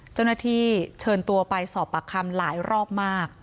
เจ้าหน้าที่เชิญตัวไปสอบปากคำหลายรอบมาก